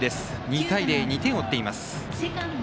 ２対０、２点を追っています。